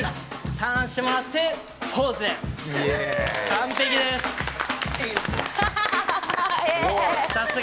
ターンしてもらってポーズ完璧ですイエーイ！